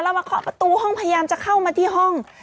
เรามาเคาะประตูพี่อย่างจะเข้ามาที่ห้อง